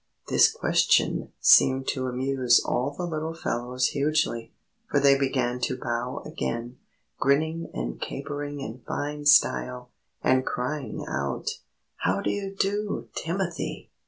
This question seemed to amuse all the little fellows hugely, for they began to bow again, grinning and capering in fine style, and crying out: "How do you do, Timothy?"